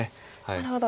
なるほど。